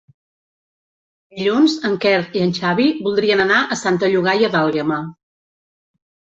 Dilluns en Quer i en Xavi voldrien anar a Santa Llogaia d'Àlguema.